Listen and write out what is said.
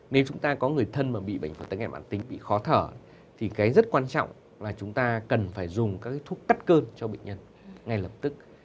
nếu chúng ta có người thân mà bị bệnh phổi tắc nghén mạng tính bị khó thở thì cái rất quan trọng là chúng ta cần phải dùng các thuốc cắt cơn cho bệnh nhân ngay lập tức